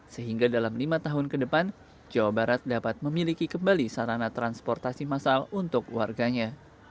sehingga dalam lima tahun ke depan jawa barat dapat memiliki kembali sarana transportasi massal untuk warganya